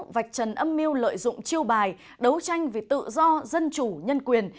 vạch trần âm mưu lợi dụng chiêu bài đấu tranh vì tự do dân chủ nhân quyền